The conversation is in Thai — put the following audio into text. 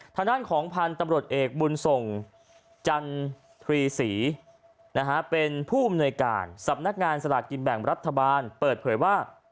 ทางด้านของพันธุ์ตำรวจเอกบุญส่งจันทรีศรีนะฮะเป็นผู้อำนวยการสำนักงานสลากกินแบ่งรัฐบาลเปิดเผยว่า